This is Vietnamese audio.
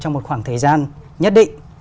trong một khoảng thời gian nhất định